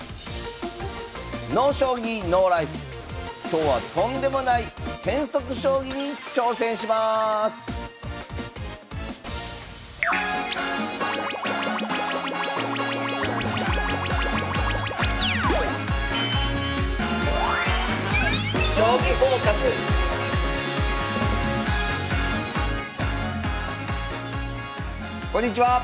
今日は「とんでもない変則将棋」に挑戦しますこんにちは！